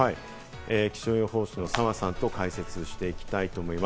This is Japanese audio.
気象予報士の澤さんと詳しく解説していきたいと思います。